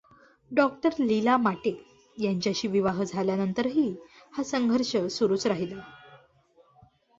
डॉ. लीला माटे यांच्याशी विवाह झाल्यानंतरही हा संघर्ष सुरूच राहिला.